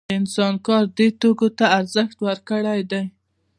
د انسان کار دې توکو ته ارزښت ورکړی دی